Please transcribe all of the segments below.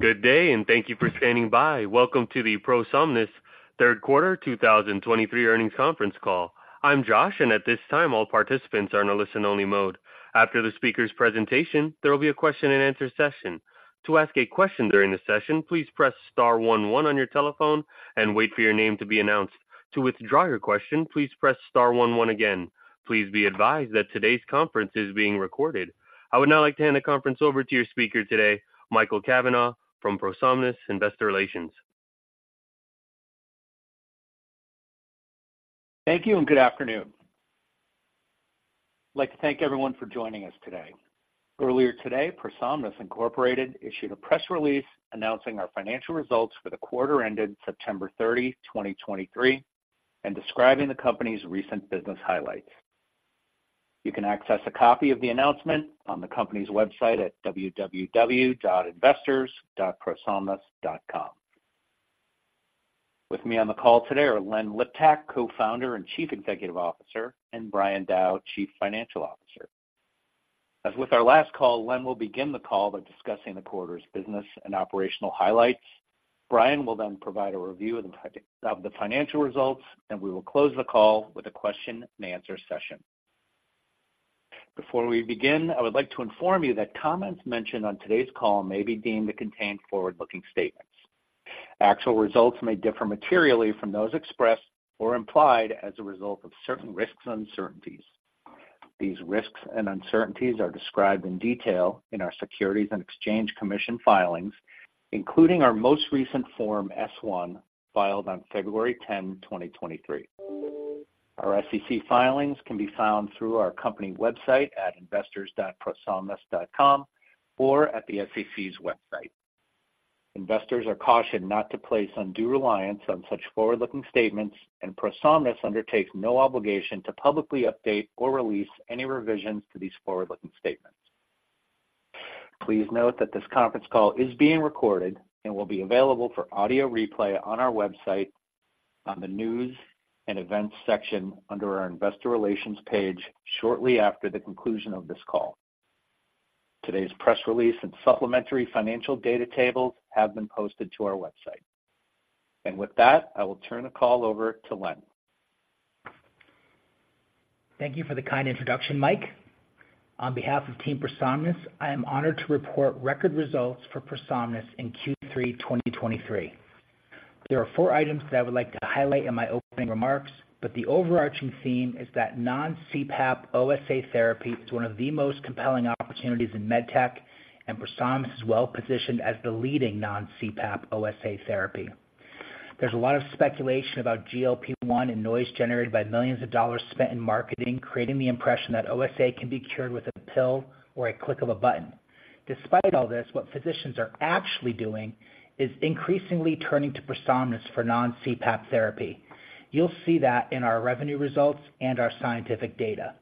Good day, and thank you for standing by. Welcome to the ProSomnus third quarter 2023 earnings conference call. I'm Josh, and at this time, all participants are in a listen-only mode. After the speaker's presentation, there will be a question-and-answer session. To ask a question during the session, please press star one one on your telephone and wait for your name to be announced. To withdraw your question, please press star one one again. Please be advised that today's conference is being recorded. I would now like to hand the conference over to your speaker today, Mike Cavanaugh from ProSomnus Investor Relations. Thank you, and good afternoon. I'd like to thank everyone for joining us today. Earlier today, ProSomnus issued a press release announcing our financial results for the quarter ended September 30, 2023, and describing the company's recent business highlights. You can access a copy of the announcement on the company's website at www.investors.prosomnus.com. With me on the call today are Len Liptak, Co-founder and Chief Executive Officer, and Brian Dow, Chief Financial Officer. As with our last call, Len will begin the call by discussing the quarter's business and operational highlights. Brian will then provide a review of the financial results, and we will close the call with a question-and-answer session. Before we begin, I would like to inform you that comments mentioned on today's call may be deemed to contain forward-looking statements. Actual results may differ materially from those expressed or implied as a result of certain risks and uncertainties. These risks and uncertainties are described in detail in our Securities and Exchange Commission filings, including our most recent Form S-1, filed on February 10, 2023. Our SEC filings can be found through our company website at investors.prosomnus.com or at the SEC's website. Investors are cautioned not to place undue reliance on such forward-looking statements, and ProSomnus undertakes no obligation to publicly update or release any revisions to these forward-looking statements. Please note that this conference call is being recorded and will be available for audio replay on our website on the News and Events section under our Investor Relations page shortly after the conclusion of this call. Today's press release and supplementary financial data tables have been posted to our website. With that, I will turn the call over to Len. Thank you for the kind introduction, Mike. On behalf of Team ProSomnus, I am honored to report record results for ProSomnus in Q3 2023. There are four items that I would like to highlight in my opening remarks, but the overarching theme is that non-CPAP OSA therapy is one of the most compelling opportunities in med tech, and ProSomnus is well positioned as the leading non-CPAP OSA therapy. There's a lot of speculation about GLP-1 and noise generated by millions dollars spent in marketing, creating the impression that OSA can be cured with a pill or a click of a button. Despite all this, what physicians are actually doing is increasingly turning to ProSomnus for non-CPAP therapy. You'll see that in our revenue results and our scientific data.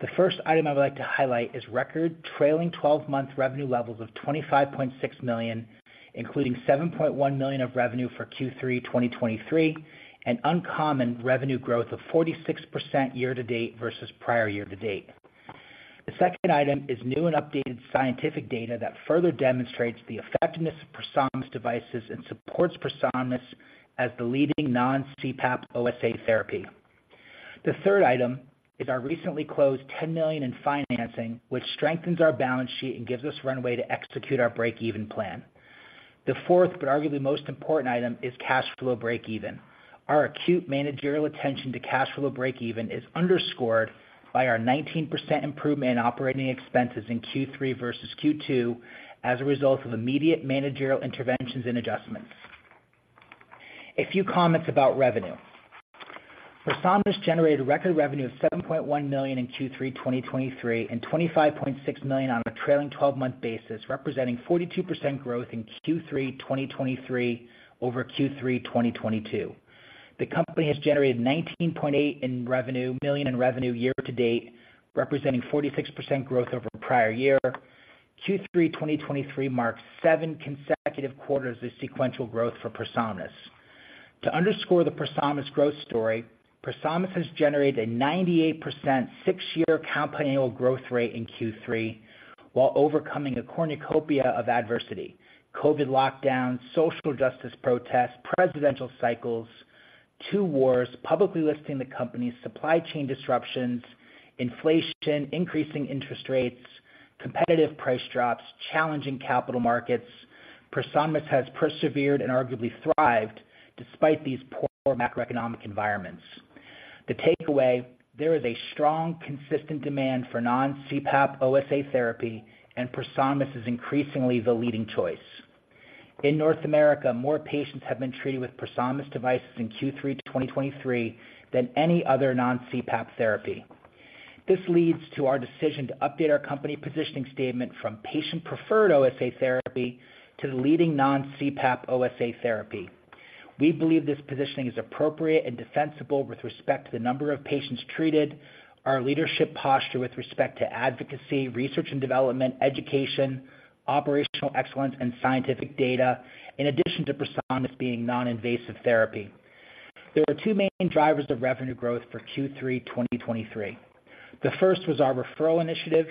The first item I would like to highlight is record trailing twelve-month revenue levels of $25.6 million, including $7.1 million of revenue for Q3 2023, an uncommon revenue growth of 46% year to date versus prior year to date. The second item is new and updated scientific data that further demonstrates the effectiveness of ProSomnus devices and supports ProSomnus as the leading non-CPAP OSA therapy. The third item is our recently closed $10 million in financing, which strengthens our balance sheet and gives us runway to execute our breakeven plan. The fourth, but arguably most important item, is cash flow breakeven. Our acute managerial attention to cash flow breakeven is underscored by our 19% improvement in operating expenses in Q3 versus Q2 as a result of immediate managerial interventions and adjustments. A few comments about revenue. ProSomnus generated record revenue of $7.1 million in Q3 2023, and $25.6 million on a trailing twelve-month basis, representing 42% growth in Q3 2023 over Q3 2022. The company has generated $19.8 million in revenue year to date, representing 46% growth over prior year. Q3 2023 marks seven consecutive quarters of sequential growth for ProSomnus. To underscore the ProSomnus growth story, ProSomnus has generated a 98% six-year compound annual growth rate in Q3 while overcoming a cornucopia of adversity. COVID lockdowns, social justice protests, presidential cycles, two wars, publicly listing the company, supply chain disruptions, inflation, increasing interest rates, competitive price drops, challenging capital markets. ProSomnus has persevered and arguably thrived despite these poor macroeconomic environments. The takeaway, there is a strong, consistent demand for non-CPAP OSA therapy, and ProSomnus is increasingly the leading choice. In North America, more patients have been treated with ProSomnus devices in Q3 2023 than any other non-CPAP therapy. This leads to our decision to update our company positioning statement from Patient Preferred OSA Therapy to the Leading Non-CPAP OSA Therapy. We believe this positioning is appropriate and defensible with respect to the number of patients treated, our leadership posture with respect to advocacy, research and development, education, operational excellence, and scientific data, in addition to ProSomnus being non-invasive therapy. There were two main drivers of revenue growth for Q3 2023. The first was our referral initiative.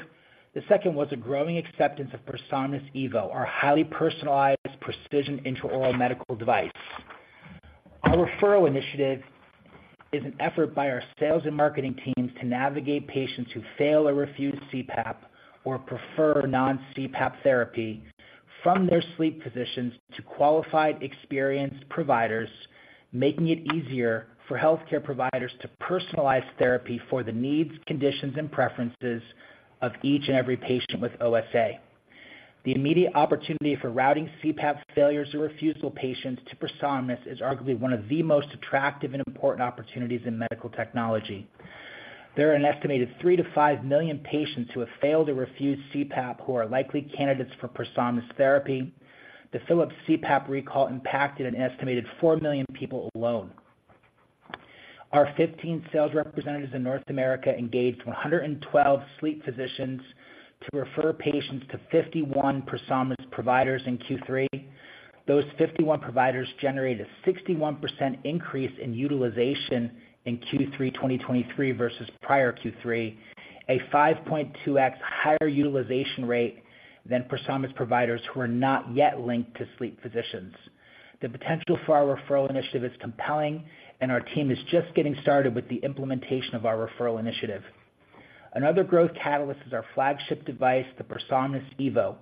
The second was a growing acceptance of ProSomnus EVO, our highly personalized precision intraoral medical device. Our referral initiative is an effort by our sales and marketing teams to navigate patients who fail or refuse CPAP or prefer non-CPAP therapy from their sleep physicians to qualified, experienced providers, making it easier for healthcare providers to personalize therapy for the needs, conditions, and preferences of each and every patient with OSA. The immediate opportunity for routing CPAP failures or refusal patients to ProSomnus is arguably one of the most attractive and important opportunities in medical technology. There are an estimated three to five million patients who have failed or refused CPAP, who are likely candidates for ProSomnus therapy. The Philips CPAP recall impacted an estimated four million people alone. Our 15 sales representatives in North America engaged 112 sleep physicians to refer patients to 51 ProSomnus providers in Q3. Those 51 providers generated a 61% increase in utilization in Q3 2023 versus prior Q3, a 5.2x higher utilization rate than ProSomnus providers who are not yet linked to sleep physicians. The potential for our referral initiative is compelling, and our team is just getting started with the implementation of our referral initiative. Another growth catalyst is our flagship device, the ProSomnus EVO.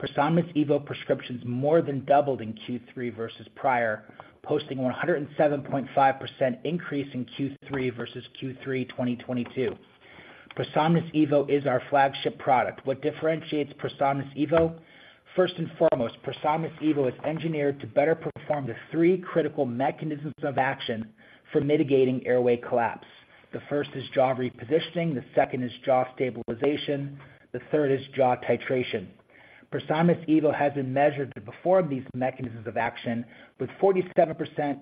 ProSomnus EVO prescriptions more than doubled in Q3 versus prior, posting 107.5% increase in Q3 versus Q3 2022. ProSomnus EVO is our flagship product. What differentiates ProSomnus EVO? First and foremost, ProSomnus EVO is engineered to better perform the three critical mechanisms of action for mitigating airway collapse. The first is jaw repositioning, the second is jaw stabilization, the third is jaw titration. ProSomnus EVO has been measured to perform these mechanisms of action with 47%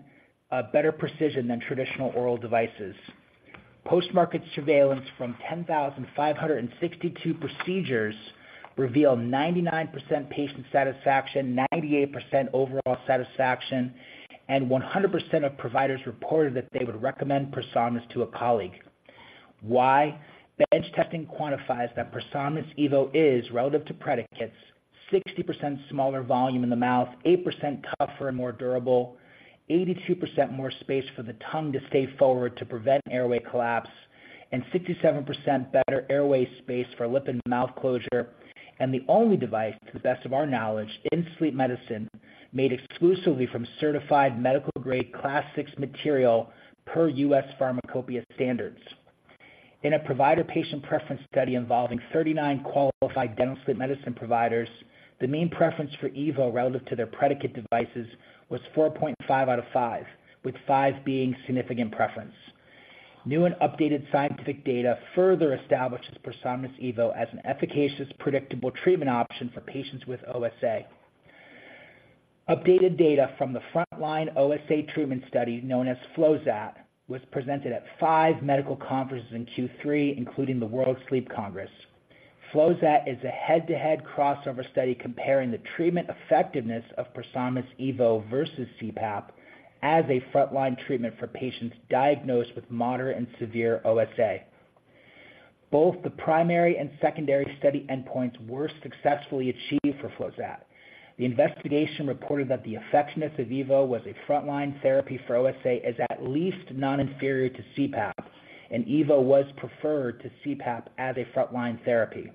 better precision than traditional oral devices. Post-market surveillance from 10,562 procedures revealed 99% patient satisfaction, 98% overall satisfaction, and 100% of providers reported that they would recommend ProSomnus to a colleague. Why? Bench testing quantifies that ProSomnus EVO is relative to predicates, 60% smaller volume in the mouth, 8% tougher and more durable, 82% more space for the tongue to stay forward to prevent airway collapse, and 67% better airway space for lip and mouth closure, and the only device, to the best of our knowledge, in sleep medicine, made exclusively from certified medical grade Class VI material per U.S. Pharmacopeia standards. In a provider-patient preference study involving 39 qualified dental sleep medicine providers, the main preference for EVO relative to their predicate devices was 4.5 out of 5, with 5 being significant preference. New and updated scientific data further establishes ProSomnus EVO as an efficacious, predictable treatment option for patients with OSA. Updated data from the frontline OSA treatment study, known as FLOSAT, was presented at five medical conferences in Q3, including the World Sleep Congress. FLOSAT is a head-to-head crossover study comparing the treatment effectiveness of ProSomnus EVO versus CPAP as a frontline treatment for patients diagnosed with moderate and severe OSA. Both the primary and secondary study endpoints were successfully achieved for FLOSAT. The investigation reported that the effectiveness of EVO was a frontline therapy for OSA, is at least non-inferior to CPAP, and EVO was preferred to CPAP as a frontline therapy.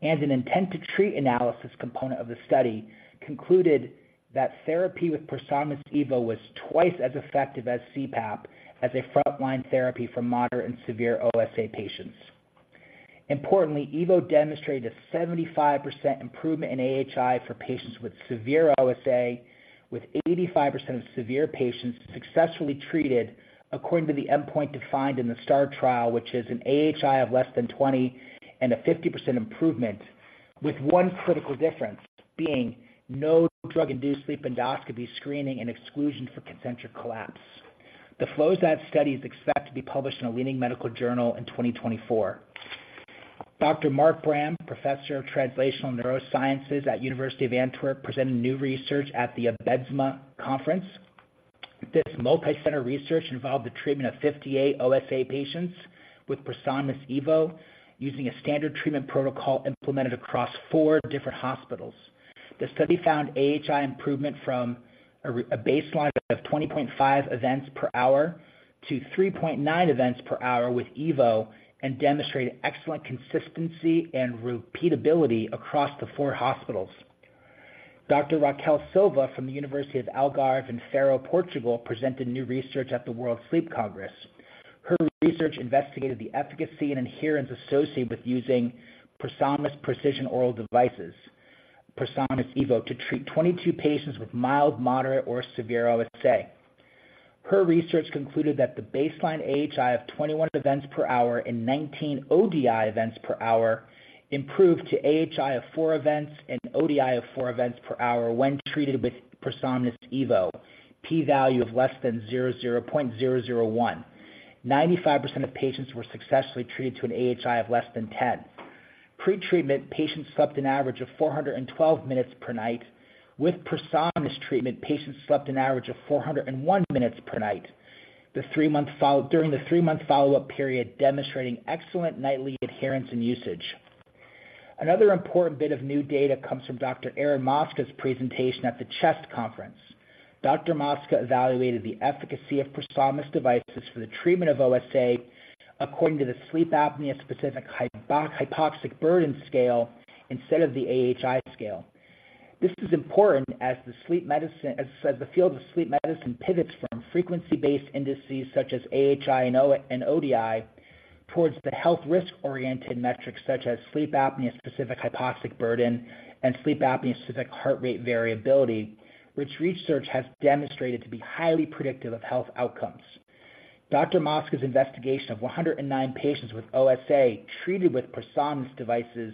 An intent to treat analysis component of the study concluded that therapy with ProSomnus EVO was twice as effective as CPAP, as a frontline therapy for moderate and severe OSA patients. Importantly, EVO demonstrated a 75% improvement in AHI for patients with severe OSA, with 85% of severe patients successfully treated according to the endpoint defined in the STAR trial, which is an AHI of less than 20 and a 50% improvement, with one critical difference being no drug-induced sleep endoscopy, screening, and exclusion for concentric collapse. The FLOSAT study is expected to be published in a leading medical journal in 2024. Dr. Marc Braem, Professor of Translational Neurosciences at University of Antwerp, presented new research at the AADSM Conference. This multicenter research involved the treatment of 58 OSA patients with ProSomnus EVO, using a standard treatment protocol implemented across four different hospitals. The study found AHI improvement from a baseline of 20.5 events per hour to three point nine events per hour with EVO and demonstrated excellent consistency and repeatability across the four hospitals. Dr. Raquel Silva from the University of Algarve in Faro, Portugal, presented new research at the World Sleep Congress. Her research investigated the efficacy and adherence associated with using ProSomnus precision oral devices, ProSomnus EVO, to treat 22 patients with mild, moderate, or severe OSA. Her research concluded that the baseline AHI of 21 events per hour in 19 ODI events per hour improved to AHI of four events and ODI of four events per hour when treated with ProSomnus EVO. P value of less than 0.001. 95% of patients were successfully treated to an AHI of less than 10. Pre-treatment, patients slept an average of 412 minutes per night. With ProSomnus treatment, patients slept an average of 401 minutes per night. During the three-month follow-up period, demonstrating excellent nightly adherence and usage. Another important bit of new data comes from Dr. Erin Mosca's presentation at the CHEST Conference. Dr. Mosca evaluated the efficacy of ProSomnus devices for the treatment of OSA according to the sleep apnea-specific hypoxic burden scale instead of the AHI scale. This is important as the field of sleep medicine pivots from frequency-based indices such as AHI and ODI, towards the health risk-oriented metrics such as sleep apnea-specific hypoxic burden and sleep apnea-specific heart rate variability, which research has demonstrated to be highly predictive of health outcomes. Dr. Mosca's investigation of 109 patients with OSA treated with ProSomnus devices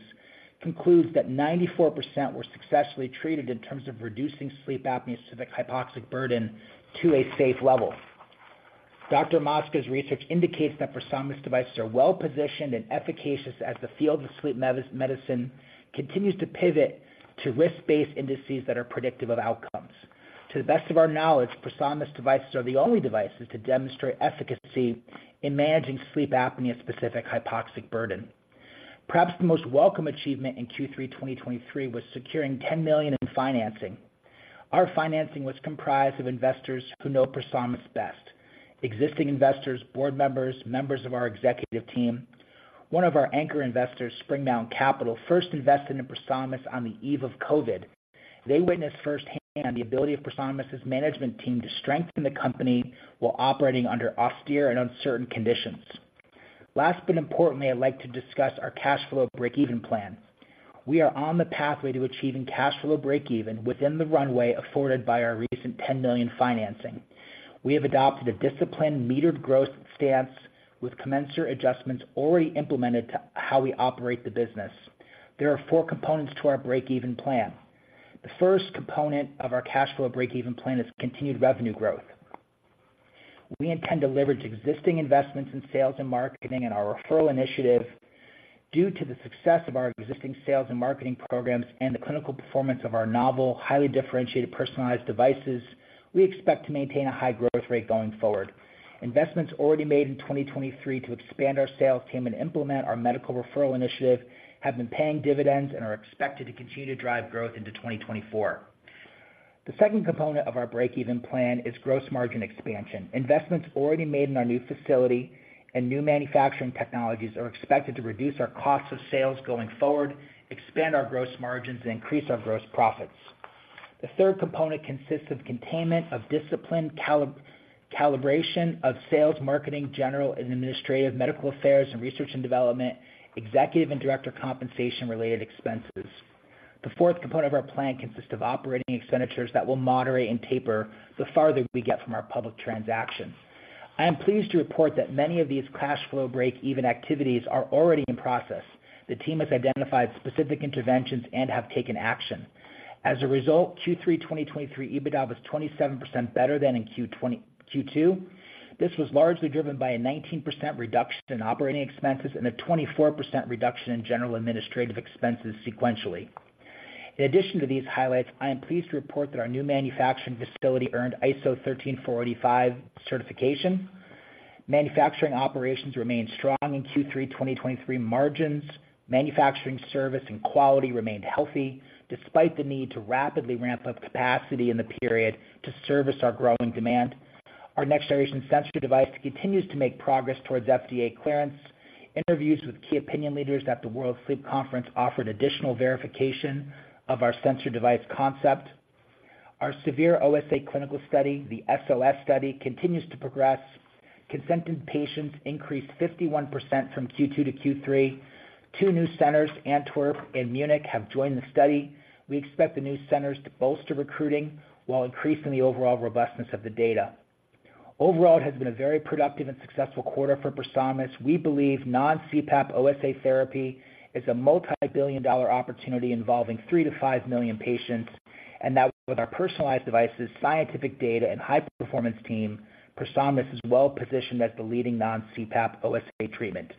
concludes that 94% were successfully treated in terms of reducing sleep apnea-specific hypoxic burden to a safe level. Dr. Mosca's research indicates that ProSomnus devices are well-positioned and efficacious as the field of sleep medicine continues to pivot to risk-based indices that are predictive of outcomes. To the best of our knowledge, ProSomnus devices are the only devices to demonstrate efficacy in managing sleep apnea-specific hypoxic burden. Perhaps the most welcome achievement in Q3 2023 was securing $10 million in financing. Our financing was comprised of investors who know ProSomnus best, existing investors, board members, members of our executive team. One of our anchor investors, Spring Mountain Capital, first invested in ProSomnus on the eve of COVID. They witnessed firsthand the ability of ProSomnus management team to strengthen the company while operating under austere and uncertain conditions. Last, but importantly, I'd like to discuss our cash flow break-even plan. We are on the pathway to achieving cash flow break-even within the runway afforded by our recent $10 million financing. We have adopted a disciplined, metered growth stance with commensurate adjustments already implemented to how we operate the business. There are four components to our break-even plan. The first component of our cash flow break-even plan is continued revenue growth. We intend to leverage existing investments in sales and marketing and our referral initiative. Due to the success of our existing sales and marketing programs and the clinical performance of our novel, highly differentiated, personalized devices, we expect to maintain a high growth rate going forward. Investments already made in 2023 to expand our sales team and implement our medical referral initiative have been paying dividends and are expected to continue to drive growth into 2024. The second component of our break-even plan is gross margin expansion. Investments already made in our new facility and new manufacturing technologies are expected to reduce our cost of sales going forward, expand our gross margins, and increase our gross profits. The third component consists of containment, of discipline, calibration of sales, marketing, general and administrative, medical affairs, and research and development, executive and director compensation related expenses. The fourth component of our plan consists of operating expenditures that will moderate and taper the farther we get from our public transaction. I am pleased to report that many of these cash flow break-even activities are already in process. The team has identified specific interventions and have taken action. As a result, Q3 2023 EBITDA was 27% better than in Q2. This was largely driven by a 19% reduction in operating expenses and a 24% reduction in general administrative expenses sequentially. In addition to these highlights, I am pleased to report that our new manufacturing facility earned ISO 13485 certification. Manufacturing operations remained strong in Q3 2023 margins. Manufacturing service and quality remained healthy despite the need to rapidly ramp up capacity in the period to service our growing demand. Our next-generation sensor device continues to make progress towards FDA clearance. Interviews with key opinion leaders at the World Sleep Conference offered additional verification of our sensor device concept. Our severe OSA clinical study, the SOS study, continues to progress. Consented patients increased 51% from Q2 to Q3. Two new centers, Antwerp and Munich, have joined the study. We expect the new centers to bolster recruiting while increasing the overall robustness of the data. Overall, it has been a very productive and successful quarter for ProSomnus. We believe non-CPAP OSA therapy is a multi-billion-dollar opportunity involving three to five million patients, and that with our personalized devices, scientific data, and high-performance team, ProSomnus is well positioned as the leading non-CPAP OSA treatment.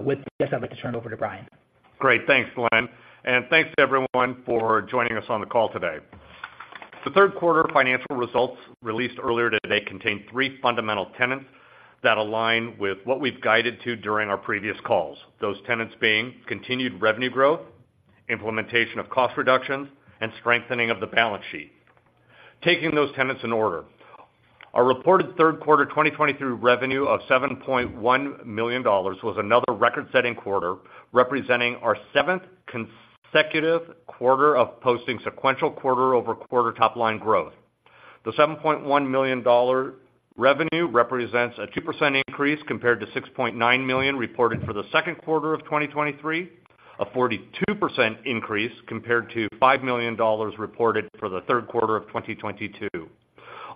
With this, I'd like to turn it over to Brian. Great. Thanks, Len, and thanks to everyone for joining us on the call today. The third quarter financial results released earlier today contain three fundamental tenets that align with what we've guided to during our previous calls. Those tenets being continued revenue growth, implementation of cost reductions, and strengthening of the balance sheet. Taking those tenets in order, our reported third quarter 2023 revenue of $7.1 million was another record-setting quarter, representing our seventh consecutive quarter of posting sequential quarter-over-quarter top-line growth. The $7.1 million revenue represents a 2% increase compared to $6.9 million reported for the second quarter of 2023, a 42% increase compared to $5 million reported for the third quarter of 2022.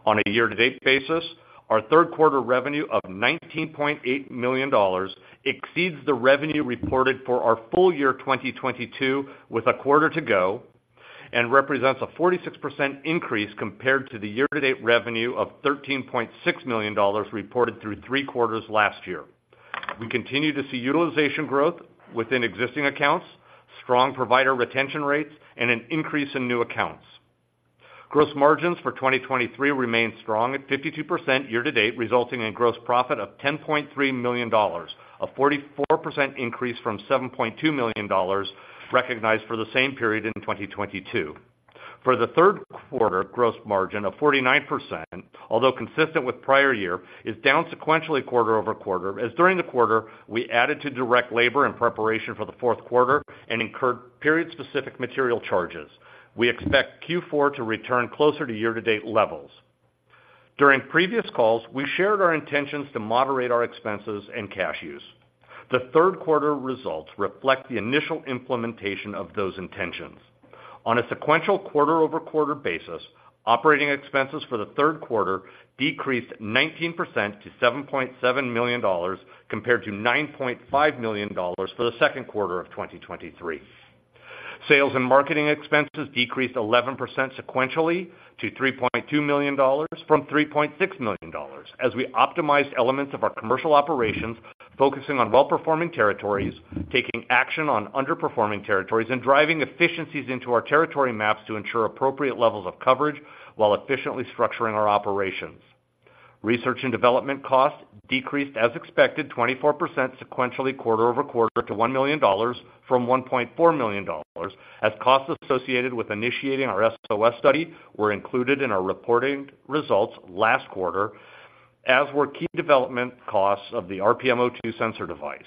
On a year-to-date basis, our third quarter revenue of $19.8 million exceeds the revenue reported for our full year 2022, with a quarter to go, and represents a 46% increase compared to the year-to-date revenue of $13.6 million reported through three quarters last year. We continue to see utilization growth within existing accounts, strong provider retention rates, and an increase in new accounts. Gross margins for 2023 remain strong at 52% year to date, resulting in gross profit of $10.3 million, a 44% increase from $7.2 million, recognized for the same period in 2022. For the third quarter, gross margin of 49%, although consistent with prior year, is down sequentially quarter-over-quarter, as during the quarter, we added to direct labor in preparation for the fourth quarter and incurred period-specific material charges. We expect Q4 to return closer to year-to-date levels. During previous calls, we shared our intentions to moderate our expenses and cash use. The third quarter results reflect the initial implementation of those intentions. On a sequential quarter-over-quarter basis, operating expenses for the third quarter decreased 19% to $7.7 million, compared to $9.5 million for the second quarter of 2023. Sales and marketing expenses decreased 11% sequentially to $3.2 million from $3.6 million, as we optimized elements of our commercial operations, focusing on well-performing territories, taking action on underperforming territories, and driving efficiencies into our territory maps to ensure appropriate levels of coverage while efficiently structuring our operations. Research and development costs decreased, as expected, 24% sequentially quarter over quarter to $1 million from $1.4 million, as costs associated with initiating our SOS study were included in our reporting results last quarter, as were key development costs of the RPMO2 sensor device.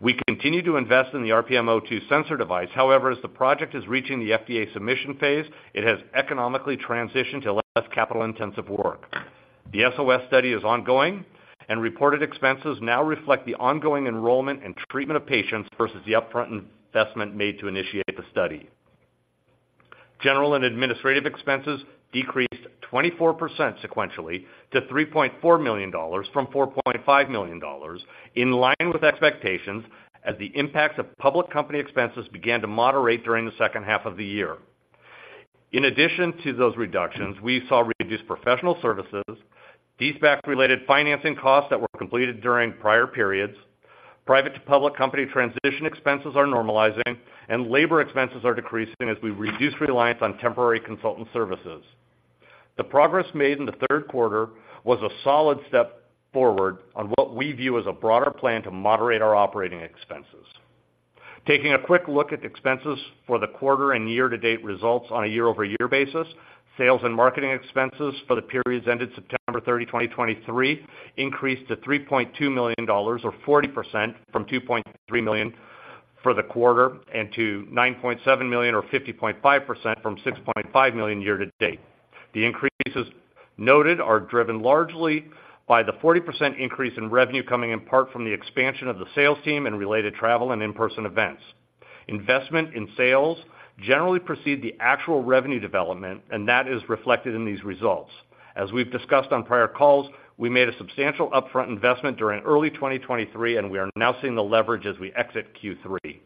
We continue to invest in the RPMO2 sensor device. However, as the project is reaching the FDA submission phase, it has economically transitioned to less capital-intensive work. The SOS Study is ongoing, and reported expenses now reflect the ongoing enrollment and treatment of patients versus the upfront investment made to initiate the study. General and administrative expenses decreased 24% sequentially to $3.4 million from $4.5 million, in line with expectations, as the impacts of public company expenses began to moderate during the second half of the year. In addition to those reductions, we saw reduced professional services, de-SPAC-related financing costs that were completed during prior periods. Private to public company transition expenses are normalizing, and labor expenses are decreasing as we reduce reliance on temporary consultant services. The progress made in the third quarter was a solid step forward on what we view as a broader plan to moderate our operating expenses. Taking a quick look at expenses for the quarter and year-to-date results on a year-over-year basis, sales and marketing expenses for the periods ended September 30, 2023, increased to $3.2 million or 40% from $2.3 million for the quarter, and to $9.7 million or 50.5% from $6.5 million year to date. The increases noted are driven largely by the 40% increase in revenue coming in part from the expansion of the sales team and related travel and in-person events. Investment in sales generally precede the actual revenue development, and that is reflected in these results. As we've discussed on prior calls, we made a substantial upfront investment during early 2023, and we are now seeing the leverage as we exit Q3.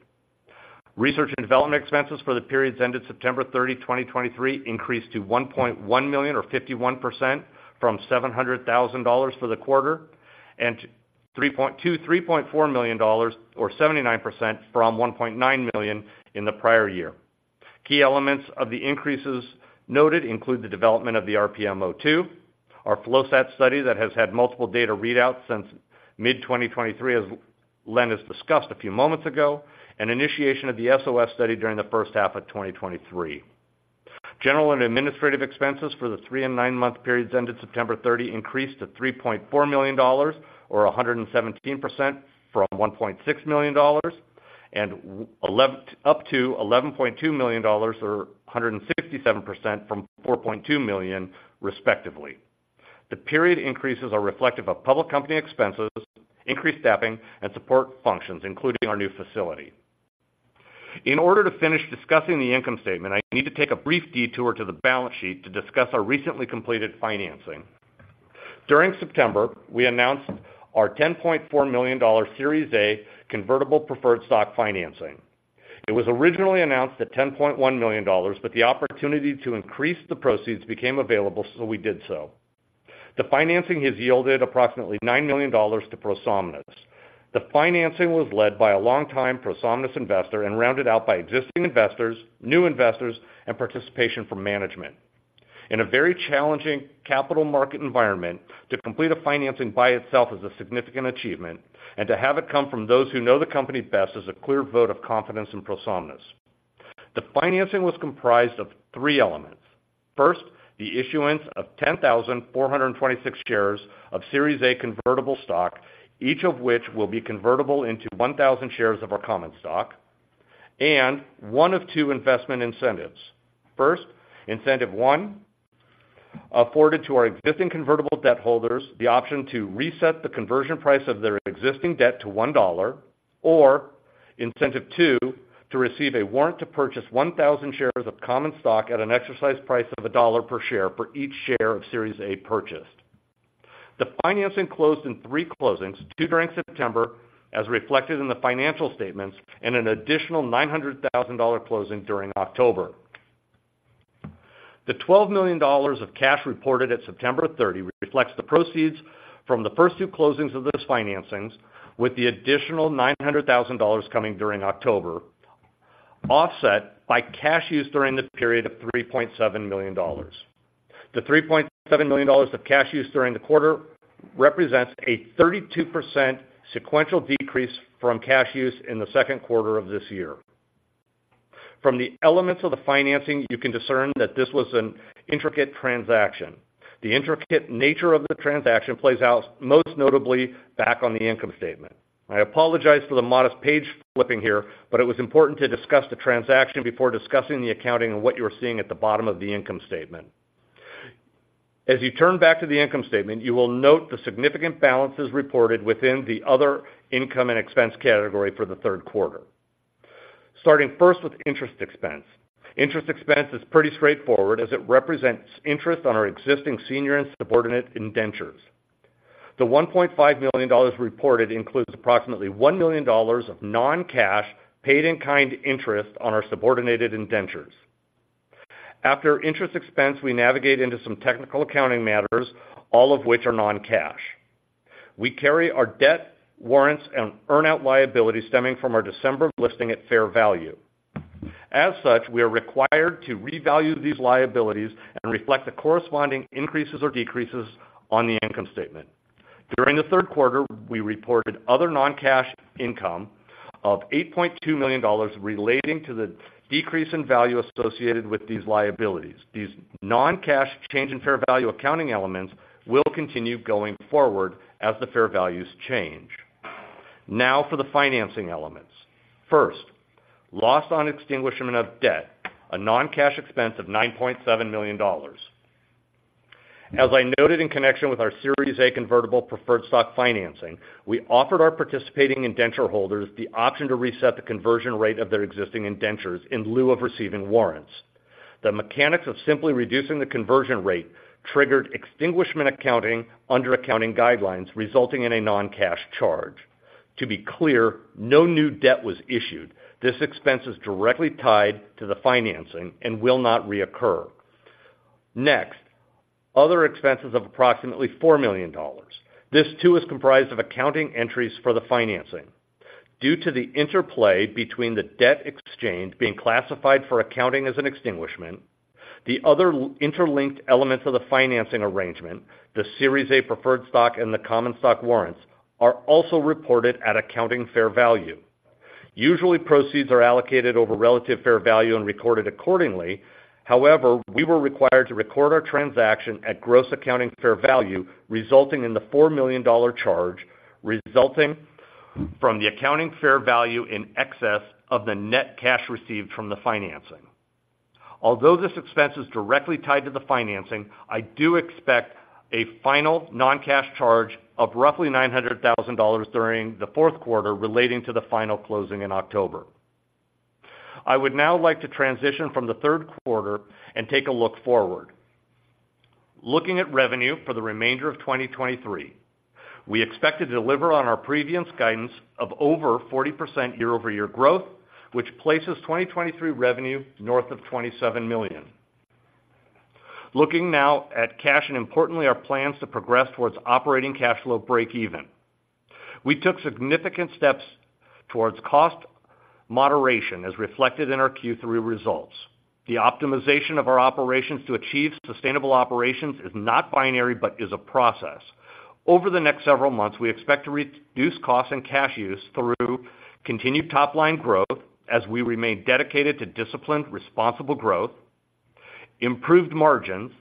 Research and development expenses for the periods ended September 30, 2023, increased to $1.1 million or 51% from $700,000 for the quarter, and to $3.4 million or 79% from $1.9 million in the prior year. Key elements of the increases noted include the development of the RPMO2, our FLOSAT study that has had multiple data readouts since mid-2023, as Len has discussed a few moments ago, and initiation of the SOS Study during the first half of 2023. General and administrative expenses for the three and nine-month periods ended September 30, increased to $3.4 million, or 117% from $1.6 million, and up to $11.2 million, or 167% from $4.2 million, respectively. The period increases are reflective of public company expenses, increased staffing, and support functions, including our new facility. In order to finish discussing the income statement, I need to take a brief detour to the balance sheet to discuss our recently completed financing. During September, we announced our $10.4 million Series A convertible preferred stock financing. It was originally announced at $10.1 million, but the opportunity to increase the proceeds became available, so we did so. The financing has yielded approximately $9 million to ProSomnus. The financing was led by a longtime ProSomnus investor and rounded out by existing investors, new investors, and participation from management. In a very challenging capital market environment, to complete a financing by itself is a significant achievement, and to have it come from those who know the company best is a clear vote of confidence in ProSomnus. The financing was comprised of three elements. First, the issuance of 10,426 shares of Series A convertible stock, each of which will be convertible into 1,000 shares of our common stock, and one of two investment incentives. First, incentive one, afforded to our existing convertible debt holders the option to reset the conversion price of their existing debt to $1, or incentive two, to receive a warrant to purchase 1,000 shares of common stock at an exercise price of $1 per share for each share of Series A purchased. The financing closed in three closings, two during September, as reflected in the financial statements, and an additional $900,000 closing during October. The $12 million of cash reported at September 30, reflects the proceeds from the first two closings of this financings, with the additional $900,000 coming during October, offset by cash use during the period of $3.7 million. The $3.7 million of cash use during the quarter represents a 32% sequential decrease from cash use in the second quarter of this year. From the elements of the financing, you can discern that this was an intricate transaction. The intricate nature of the transaction plays out most notably back on the income statement. I apologize for the modest page flipping here, but it was important to discuss the transaction before discussing the accounting and what you are seeing at the bottom of the income statement. As you turn back to the income statement, you will note the significant balances reported within the other income and expense category for the third quarter. Starting first with interest expense. Interest expense is pretty straightforward as it represents interest on our existing senior and subordinate indentures. The $1.5 million reported includes approximately $1 million of non-cash, paid-in-kind interest on our subordinated indentures. After interest expense, we navigate into some technical accounting matters, all of which are non-cash. We carry our debt, warrants, and earn-out liability stemming from our December listing at fair value. As such, we are required to revalue these liabilities and reflect the corresponding increases or decreases on the income statement. During the third quarter, we reported other non-cash income of $8.2 million relating to the decrease in value associated with these liabilities. These non-cash change in fair value accounting elements will continue going forward as the fair values change. Now for the financing elements. First, loss on extinguishment of debt, a non-cash expense of $9.7 million. As I noted in connection with our Series A convertible preferred stock financing, we offered our participating indenture holders the option to reset the conversion rate of their existing indentures in lieu of receiving warrants. The mechanics of simply reducing the conversion rate triggered extinguishment accounting under accounting guidelines, resulting in a non-cash charge. To be clear, no new debt was issued. This expense is directly tied to the financing and will not reoccur. Next, other expenses of approximately $4 million. This, too, is comprised of accounting entries for the financing. Due to the interplay between the debt exchange being classified for accounting as an extinguishment, the other interlinked elements of the financing arrangement, the Series A preferred stock and the common stock warrants, are also reported at accounting fair value. Usually, proceeds are allocated over relative fair value and recorded accordingly. However, we were required to record our transaction at gross accounting fair value, resulting in the $4 million charge, resulting from the accounting fair value in excess of the net cash received from the financing. Although this expense is directly tied to the financing, I do expect a final non-cash charge of roughly $900,000 during the fourth quarter relating to the final closing in October. I would now like to transition from the third quarter and take a look forward. Looking at revenue for the remainder of 2023, we expect to deliver on our previous guidance of over 40% year-over-year growth, which places 2023 revenue north of $27 million. Looking now at cash and importantly, our plans to progress towards operating cash flow breakeven. We took significant steps towards cost moderation, as reflected in our Q3 results. The optimization of our operations to achieve sustainable operations is not binary, but is a process. Over the next several months, we expect to reduce costs and cash use through continued top line growth as we remain dedicated to disciplined, responsible growth, improved margins,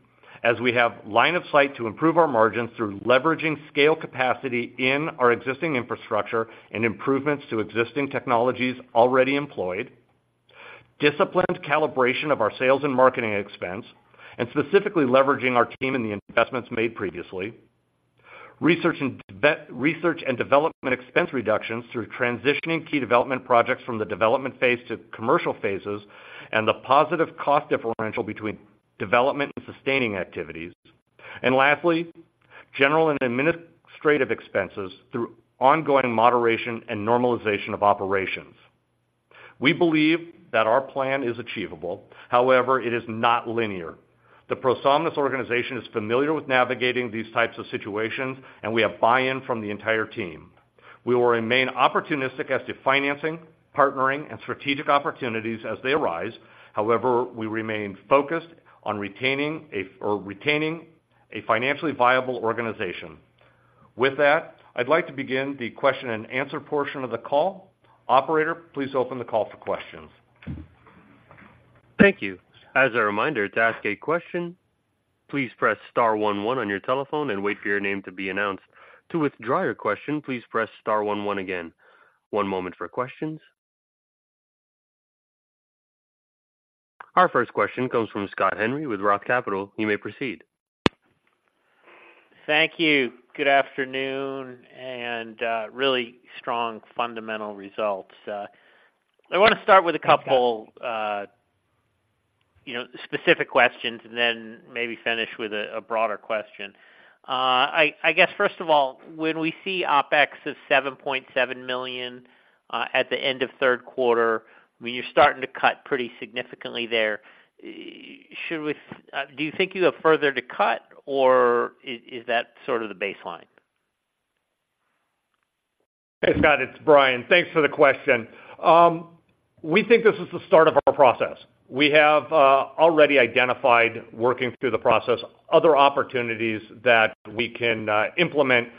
as we have line of sight to improve our margins through leveraging scale capacity in our existing infrastructure and improvements to existing technologies already employed, disciplined calibration of our sales and marketing expense, and specifically leveraging our team and the investments made previously. Research and development expense reductions through transitioning key development projects from the development phase to commercial phases, and the positive cost differential between development and sustaining activities. And lastly, general and administrative expenses through ongoing moderation and normalization of operations. We believe that our plan is achievable, however, it is not linear. The ProSomnus organization is familiar with navigating these types of situations, and we have buy-in from the entire team. We will remain opportunistic as to financing, partnering, and strategic opportunities as they arise. However, we remain focused on retaining a financially viable organization. With that, I'd like to begin the question and answer portion of the call. Operator, please open the call for questions. Thank you. As a reminder, to ask a question, please press star one one on your telephone and wait for your name to be announced. To withdraw your question, please press star one one again. One moment for questions. Our first question comes from Scott Henry with Roth Capital. You may proceed. Thank you. Good afternoon, and, really strong fundamental results. I want to start with a couple, you know, specific questions and then maybe finish with a, a broader question. I guess, first of all, when we see OpEx of $7.7 million, at the end of third quarter, when you're starting to cut pretty significantly there, should we do you think you have further to cut, or is, is that sort of the baseline? Hey, Scott, it's Brian. Thanks for the question. We think this is the start of our process. We have already identified, working through the process, other opportunities that we can implement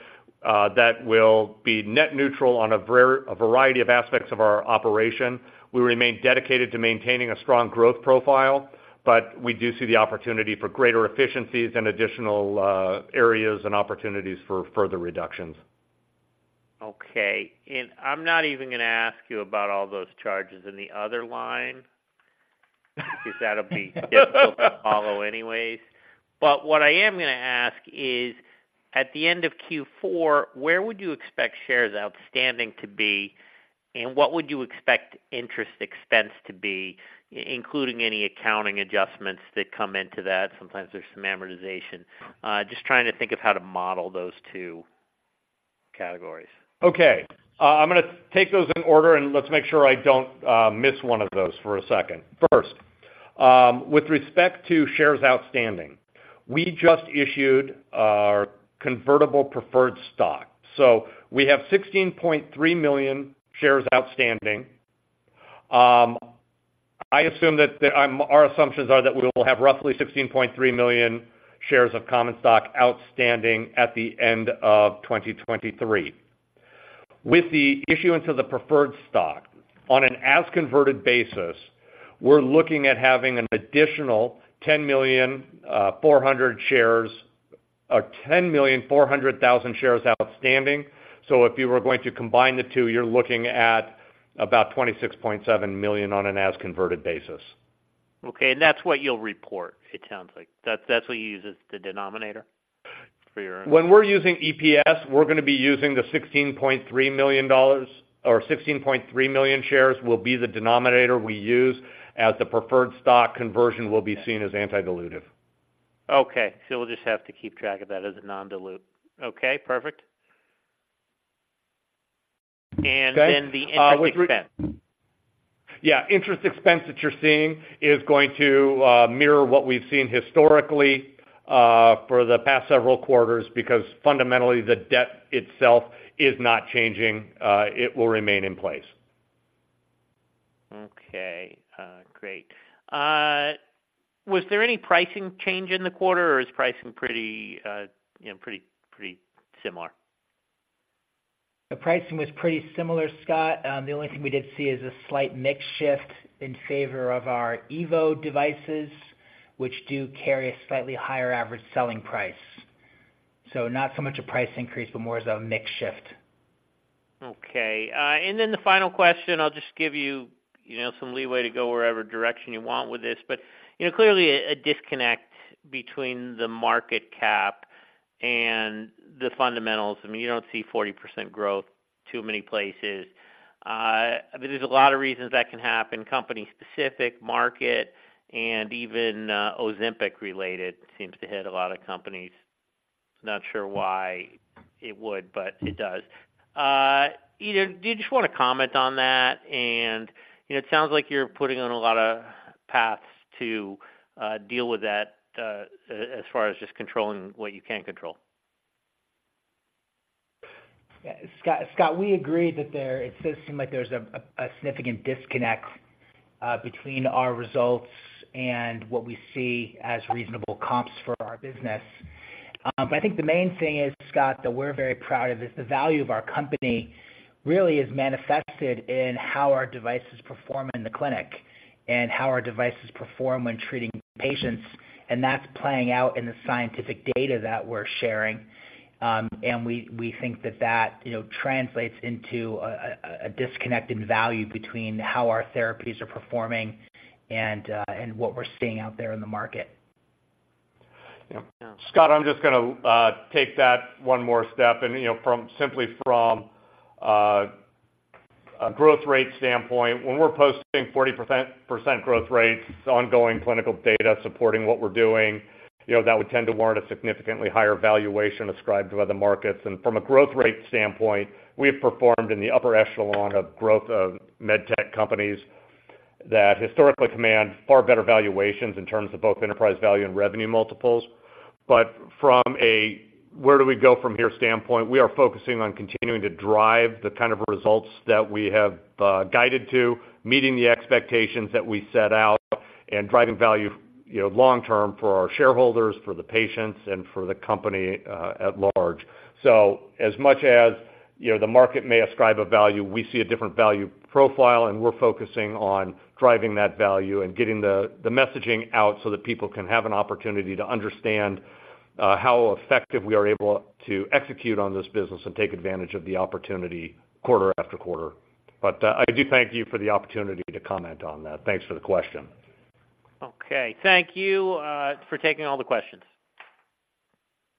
that will be net neutral on a variety of aspects of our operation. We remain dedicated to maintaining a strong growth profile, but we do see the opportunity for greater efficiencies and additional areas and opportunities for further reductions. Okay. And I'm not even gonna ask you about all those charges in the other line. Because that'll be difficult to follow anyways. But what I am gonna ask is: at the end of Q4, where would you expect shares outstanding to be, and what would you expect interest expense to be, including any accounting adjustments that come into that? Sometimes there's some amortization. Just trying to think of how to model those two categories. Okay. I'm gonna take those in order, and let's make sure I don't miss one of those for a second. First, with respect to shares outstanding, we just issued our convertible preferred stock. So we have 16.3 million shares outstanding. I assume that the... Our assumptions are that we will have roughly 16.3 million shares of common stock outstanding at the end of 2023. With the issuance of the preferred stock, on an as-converted basis, we're looking at having an additional 10 million four hundred thousand shares outstanding. So if you were going to combine the two, you're looking at about 26.7 million on an as-converted basis. Okay, and that's what you'll report, it sounds like. That's, that's what you use as the denominator for your- When we're using EPS, we're gonna be using the $16.3 million, or 16.3 million shares will be the denominator we use, as the preferred stock conversion will be seen as anti-dilutive. Okay. So we'll just have to keep track of that as a non-dilutive. Okay, perfect. Okay. And then the interest expense. Yeah, interest expense that you're seeing is going to mirror what we've seen historically for the past several quarters, because fundamentally, the debt itself is not changing. It will remain in place. Okay, great. Was there any pricing change in the quarter, or is pricing pretty, you know, pretty, pretty similar? The pricing was pretty similar, Scott. The only thing we did see is a slight mix shift in favor of our EVO devices, which do carry a slightly higher average selling price. So not so much a price increase, but more as a mix shift. Okay. And then the final question, I'll just give you, you know, some leeway to go wherever direction you want with this, but, you know, clearly a disconnect between the market cap and the fundamentals. I mean, you don't see 40% growth too many places. There's a lot of reasons that can happen, company-specific, market, and even Ozempic-related, seems to hit a lot of companies. Not sure why it would, but it does. Either do you just want to comment on that? And, you know, it sounds like you're putting on a lot of paths to deal with that, as far as just controlling what you can control. Yeah. Scott, Scott, we agree that it does seem like there's a significant disconnect between our results and what we see as reasonable comps for our business. But I think the main thing is, Scott, that we're very proud of is the value of our company really is manifested in how our devices perform in the clinic and how our devices perform when treating patients, and that's playing out in the scientific data that we're sharing. And we think that that, you know, translates into a disconnected value between how our therapies are performing and what we're seeing out there in the market. Yeah. Scott, I'm just gonna take that one more step. And, you know, from, simply from a growth rate standpoint, when we're posting 40% growth rates, ongoing clinical data supporting what we're doing, you know, that would tend to warrant a significantly higher valuation ascribed to other markets. And from a growth rate standpoint, we have performed in the upper echelon of growth of med tech companies that historically command far better valuations in terms of both enterprise value and revenue multiples. But from a where-do-we-go-from-here standpoint, we are focusing on continuing to drive the kind of results that we have guided to, meeting the expectations that we set out, and driving value, you know, long term for our shareholders, for the patients, and for the company at large. So as much as, you know, the market may ascribe a value, we see a different value profile, and we're focusing on driving that value and getting the messaging out so that people can have an opportunity to understand, how effective we are able to execute on this business and take advantage of the opportunity quarter after quarter. But, I do thank you for the opportunity to comment on that. Thanks for the question. Okay. Thank you for taking all the questions.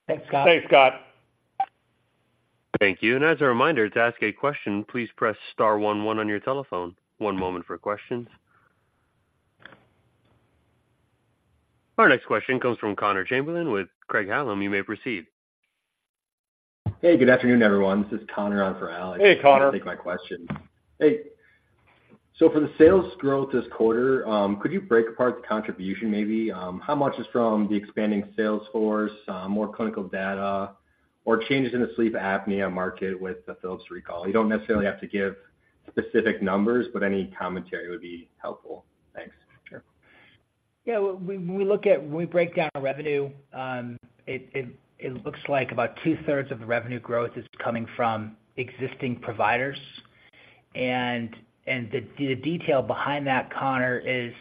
Thanks, Scott. Thanks, Scott. Thank you. As a reminder, to ask a question, please press star one one on your telephone. One moment for questions. Our next question comes from Conner Chamberlain with Craig-Hallum. You may proceed. Hey, good afternoon, everyone. This is ConnEr on for Alex. Hey, Conner. You can take my question. Hey, so for the sales growth this quarter, could you break apart the contribution, maybe? How much is from the expanding sales force, more clinical data, or changes in the sleep apnea market with the Philips recall? You don't necessarily have to give specific numbers, but any commentary would be helpful. Thanks. Sure. Yeah, when we look at. When we break down our revenue, it looks like about two-thirds of the revenue growth is coming from existing providers. And the detail behind that, Conner, is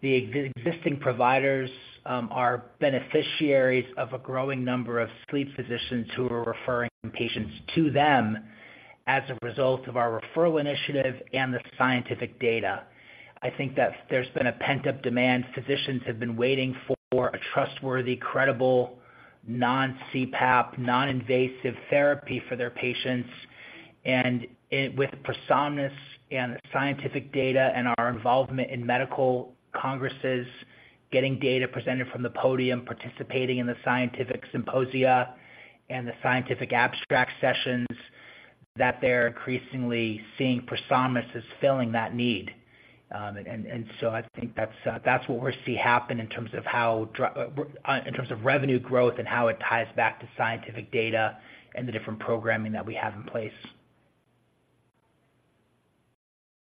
the existing providers are beneficiaries of a growing number of sleep physicians who are referring patients to them as a result of our referral initiative and the scientific data. I think that there's been a pent-up demand. Physicians have been waiting for a trustworthy, credible, non-CPAP, non-invasive therapy for their patients. And, with ProSomnus and the scientific data and our involvement in medical congresses, getting data presented from the podium, participating in the scientific symposia and the scientific abstract sessions, that they're increasingly seeing ProSomnus as filling that need. And so I think that's what we're seeing happen in terms of revenue growth and how it ties back to scientific data and the different programming that we have in place.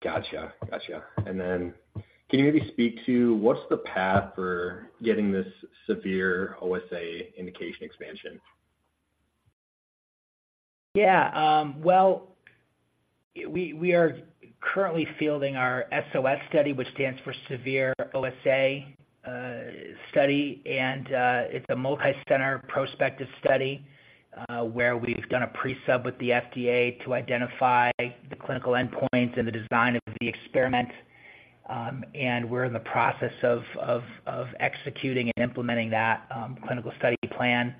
Gotcha. Gotcha. And then can you maybe speak to what's the path for getting this severe OSA indication expansion? Yeah, well, we are currently fielding our SOS Study, which stands for Severe OSA Study. It's a multicenter prospective study, where we've done a pre-sub with the FDA to identify the clinical endpoint and the design of the experiment. We're in the process of executing and implementing that clinical study plan.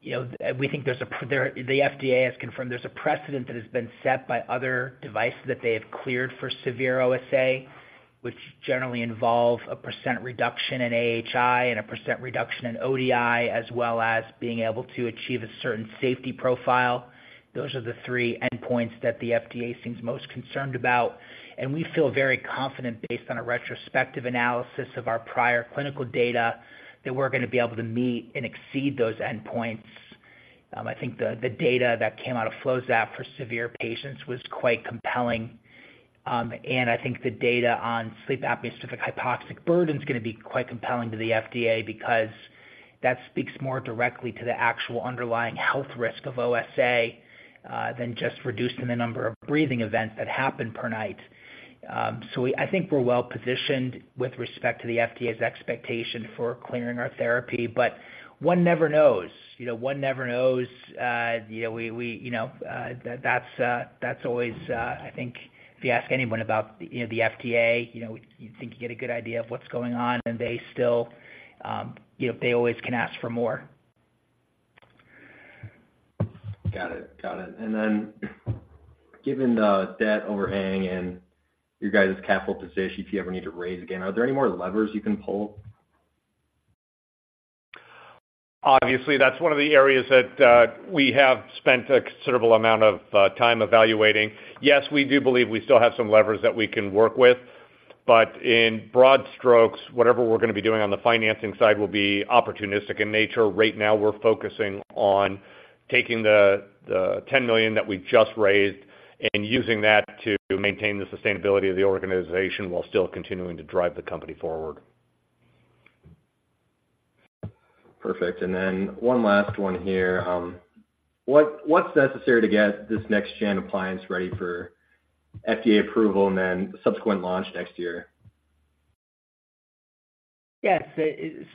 You know, we think there's a precedent. The FDA has confirmed there's a precedent that has been set by other devices that they have cleared for severe OSA, which generally involve a percent reduction in AHI and a percent reduction in ODI, as well as being able to achieve a certain safety profile. Those are the three endpoints that the FDA seems most concerned about, and we feel very confident, based on a retrospective analysis of our prior clinical data, that we're gonna be able to meet and exceed those endpoints. I think the data that came out of FLOSAT for severe patients was quite compelling. And I think the data on Sleep Apnea-Specific Hypoxic Burden is gonna be quite compelling to the FDA because that speaks more directly to the actual underlying health risk of OSA than just reducing the number of breathing events that happen per night. So I think we're well-positioned with respect to the FDA's expectation for clearing our therapy. But one never knows, you know, one never knows. You know, that's always...I think if you ask anyone about, you know, the FDA, you know, you think you get a good idea of what's going on, and they still, you know, they always can ask for more. Got it. Got it. Then, given the debt overhang and your guys' capital position, if you ever need to raise again, are there any more levers you can pull? Obviously, that's one of the areas that, we have spent a considerable amount of, time evaluating. Yes, we do believe we still have some levers that we can work with, but in broad strokes, whatever we're gonna be doing on the financing side will be opportunistic in nature. Right now, we're focusing on taking the, the $10 million that we've just raised and using that to maintain the sustainability of the organization while still continuing to drive the company forward. Perfect. And then one last one here. What's necessary to get this next-gen appliance ready for FDA approval and then subsequent launch next year? Yes,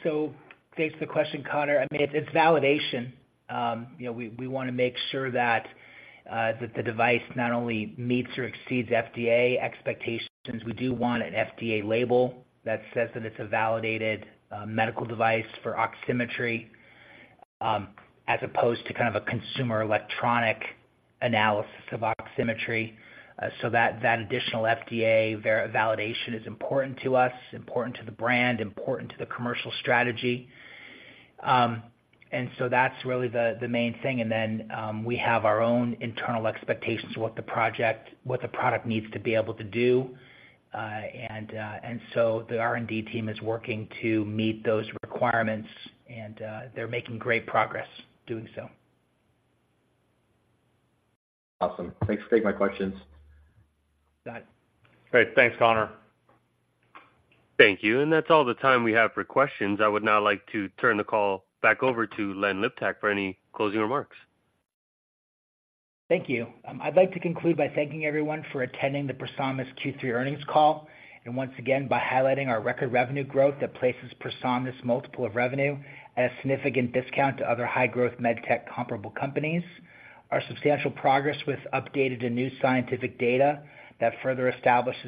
so thanks for the question, Conner. I mean, it's validation. You know, we wanna make sure that the device not only meets or exceeds FDA expectations. We do want an FDA label that says that it's a validated medical device for oximetry, as opposed to kind of a consumer electronic analysis of oximetry. So that additional FDA validation is important to us, important to the brand, important to the commercial strategy. And so that's really the main thing. And then, we have our own internal expectations of what the product needs to be able to do. And so the R&D team is working to meet those requirements, and they're making great progress doing so. Awesome. Thanks for taking my questions. Got it. Great. Thanks, Conner. Thank you. That's all the time we have for questions. I would now like to turn the call back over to Len Liptak for any closing remarks. Thank you. I'd like to conclude by thanking everyone for attending the ProSomnus Q3 earnings call, and once again, by highlighting our record revenue growth that places ProSomnus multiple of revenue at a significant discount to other high-growth med tech comparable companies. Our substantial progress with updated and new scientific data that further establishes-